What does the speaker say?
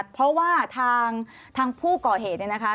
เพราะว่าทางผู้ก่อเหตุเนี่ยนะคะ